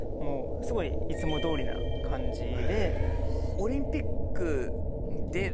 オリンピックで出ます